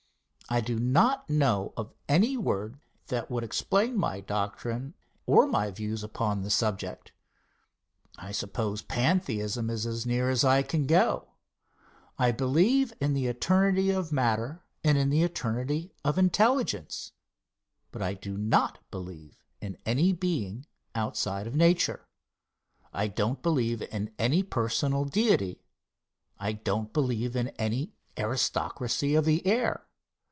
I do not know of any word that would explain my doctrine or my views upon the subject. I suppose Pantheism is as near as I could go. I believe in the eternity of matter and in the eternity of intelligence, but I do not believe in any Being outside of nature. I do not believe in any personal Deity. I do not believe in any aristocracy of the air.